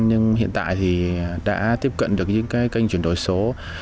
nhưng hiện tại thì đã tiếp cận được những cái kênh chuyển đổi số